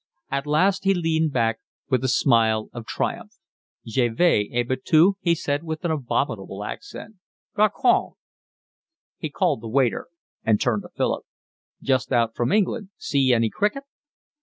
At last he leaned back with a smile of triumph. "Je vous ai battu," he said, with an abominable accent. "Garcong!" He called the waiter and turned to Philip. "Just out from England? See any cricket?"